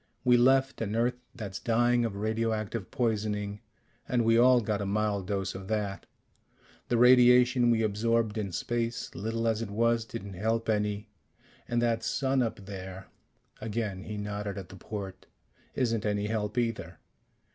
We left an Earth that's dying of radioactive poisoning, and we all got a mild dose of that. The radiation we absorbed in space, little as it was, didn't help any. And that sun up there " again he nodded at the port "isn't any help either.